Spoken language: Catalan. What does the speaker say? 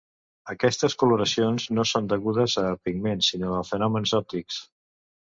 Aquestes coloracions no són degudes a pigments, sinó a fenòmens òptics.